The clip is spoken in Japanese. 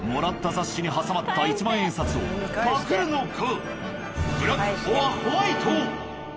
雑誌に挟まった１万円札をパクるのか？